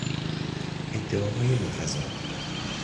ادعاهای متضاد